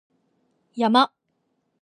山